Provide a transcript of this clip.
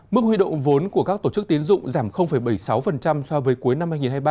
mức huy động vốn của các tổ chức tiến dụng giảm bảy mươi sáu so với cuối năm hai nghìn hai mươi ba